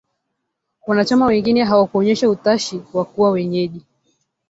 Wanachama wengine hawakuonyesha utashi wa kuwa wenyeji